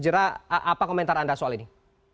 jera apa komentar anda soal ini